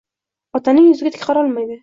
Otaning yuziga tik qarolmaydi.